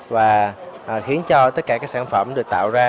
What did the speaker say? và khiến cho tất cả các sản phẩm được tạo ra